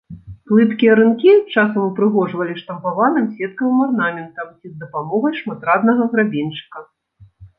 Плыткія рынкі часам упрыгожвалі штампаваным сеткавым арнаментам ці з дапамогай шматраднага грабеньчыка.